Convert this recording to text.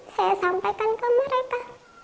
saya sampaikan ke mereka